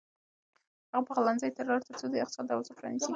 هغه پخلنځي ته لاړ ترڅو د یخچال دروازه پرانیزي.